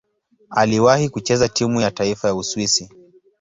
Aliwahi kucheza timu ya taifa ya Uswisi.